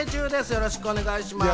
よろしくお願いします。